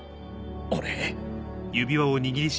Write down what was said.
俺